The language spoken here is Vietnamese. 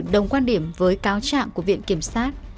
đồng quan điểm với cáo trạng của viện kiểm sát